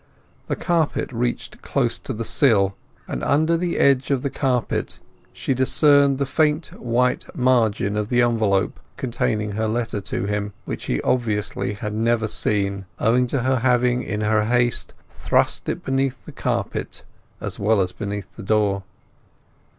The carpet reached close to the sill, and under the edge of the carpet she discerned the faint white margin of the envelope containing her letter to him, which he obviously had never seen, owing to her having in her haste thrust it beneath the carpet as well as beneath the door.